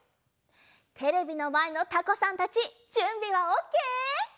テレビのまえのタコさんたちじゅんびはオッケー？